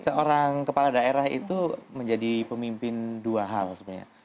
seorang kepala daerah itu menjadi pemimpin dua hal sebenarnya